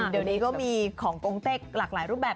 เดี๋ยวนี้ก็มีของกงเต็กหลากหลายรูปแบบ